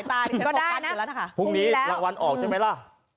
พรุ่งนี้ละพรุ่งนี้ละวันออกใช่ไหมล่ะ